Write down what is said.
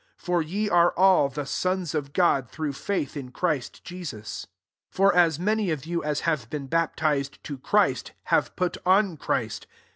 (6 For ye are all the sons of God through faith in Christ Jesus. 27 For as many of you as have been baptized to Christ, have put on Christ.